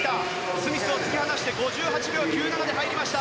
スミスを突き放して５８秒９７で入りました。